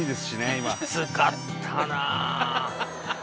きつかったなぁ。